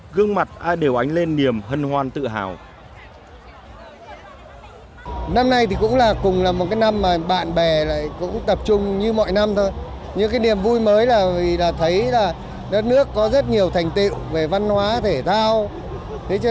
gương mặt ai đều ánh lên niềm hân hoan tự hào